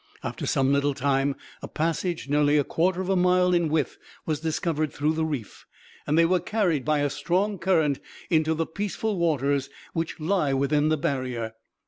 After some little time a passage nearly a quartar of a mile in width was discovered through the reef, and they were carried by a strong current into the peaceful waters which lie within the Barrier.